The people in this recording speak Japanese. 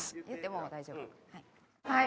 はい。